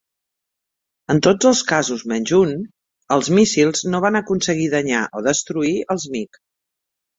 En tots els casos menys un, els míssils no van aconseguir danyar o destruir els MiG.